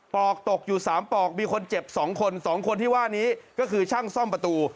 อกตกอยู่๓ปอกมีคนเจ็บ๒คน๒คนที่ว่านี้ก็คือช่างซ่อมประตู